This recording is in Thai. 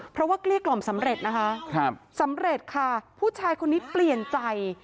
เพราะว่าเกลี้ยกล่อมสำเร็จนะคะสำเร็จค่ะผู้ชายคนนี้เปลี่ยนใจ